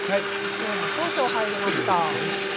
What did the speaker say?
塩が少々入りました。